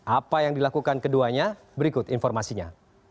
apa yang dilakukan keduanya berikut informasinya